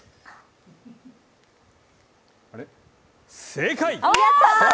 正解！